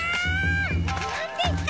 なんですか？